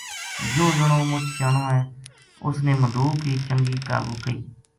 یوہ جنو مچ سیانو ہے اس نے مدوک بی چنگی قابو کئی